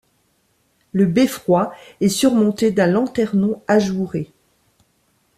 Le beffroi est surmonté d'un lanternon ajouré.